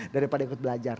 daripada ikut belajar